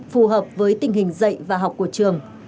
phù hợp với tình hình dạy và học của trường